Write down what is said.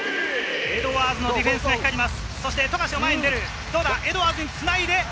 エドワーズのディフェンスが光ります。